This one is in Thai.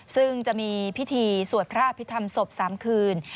ซึ่งจะมีพิธีสวดพระอภิษฐรรมศพ๓คืน